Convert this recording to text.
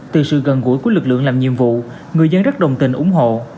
từ sự gần gũi của lực lượng làm nhiệm vụ người dân rất đồng tình ủng hộ